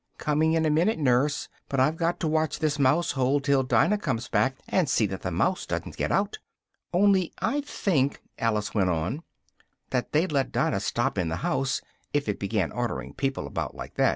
"Coming in a minute, nurse! but I've got to watch this mousehole till Dinah comes back, and see that the mouse doesn't get out " "only I don't think," Alice went on, "that they'd let Dinah stop in the house, if it began ordering people about like that!"